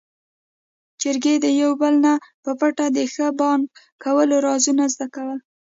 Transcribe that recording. چرګې د يو بل نه په پټه د ښه بانګ کولو رازونه زده کول.